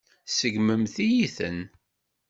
Tseggmemt-iyi-ten.